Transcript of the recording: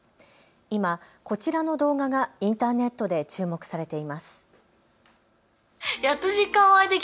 今こちらの動画がインターネットで注目されています。